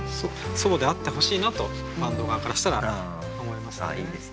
そうであってほしいなとバンド側からしたら思いましたね。